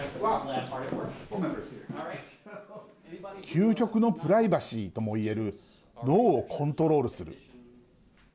究極のプライバシーともいえる脳をコントロールする。